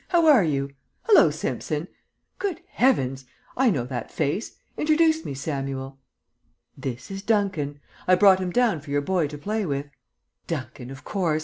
how are you? Hallo, Simpson! Good heavens! I know that face. Introduce me, Samuel." "This is Duncan. I brought him down for your boy to play with." "Duncan, of course.